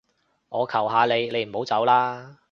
我求下你，你唔好走啦